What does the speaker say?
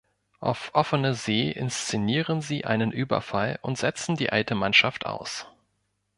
Auf offener See inszenieren sie einen Überfall und setzen die alte Mannschaft aus.